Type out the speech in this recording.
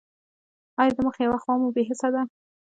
ایا د مخ یوه خوا مو بې حسه ده؟